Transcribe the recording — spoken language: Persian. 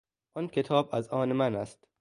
آن کتاب از آن من است.